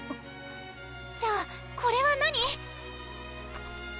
じゃあこれは何？